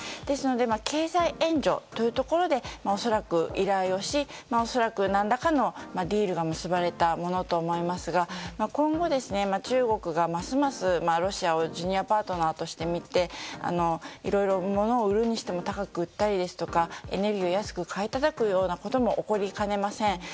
ですので経済援助というところで恐らく依頼をし、恐らく何らかのディールが結ばれたものと思いますが今後、中国がますますロシアをジュニアパートナーとしてみていろいろ物を売るにしても高く売ったりですとかエネルギーを安く買いたたくようなことも起こりかねません。